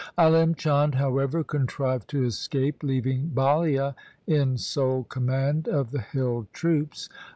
Alim Chand, however, contrived to escape, leaving Balia in sole command of the hill troops.